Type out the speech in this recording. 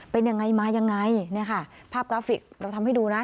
เป็นอย่างไรมาอย่างไรภาพกราฟิกเราทำให้ดูนะ